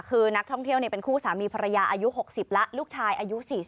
คือนักท่องเที่ยวเป็นคู่สามีภรรยาอายุ๖๐แล้วลูกชายอายุ๔๐